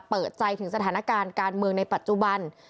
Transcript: เปิดใจถึงสถานการณ์การเมืองในปัจจุบัน